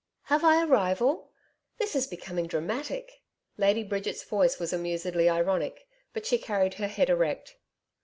Have I a rival? This is becoming dramatic!' Lady Bridget's voice was amusedly ironic, but she carried her head erect.